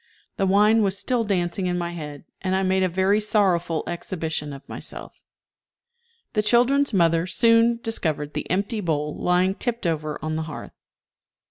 The wine was still dancing in my head, and I made a very sorrowful exhibition of myself. The children's mother soon discovered the empty bowl lying tipped over on the hearth.